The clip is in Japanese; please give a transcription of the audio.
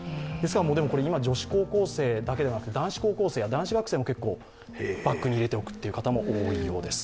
今、女子高校生だけではなく男子高校生や男子学生も結構バッグに入れておく方も多いようです。